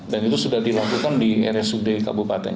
dan itu sudah dilakukan di rsud kabupaten